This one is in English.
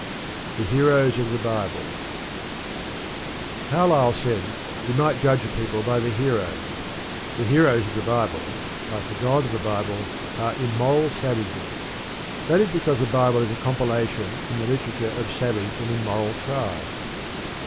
THE HEROES OF THE BIBLE Carlyle said we might judge a people by their heroes. The heroes of the Bible, like the God of the Bible, are immoral savages. That is because the Bible is a compilation from the literature of savage and immoral tribes.